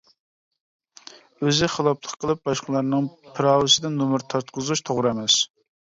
ئۆزى خىلاپلىق قىلىپ باشقىلارنىڭ پىراۋىسىدىن نومۇر تارتقۇزۇش توغرا ئەمەس.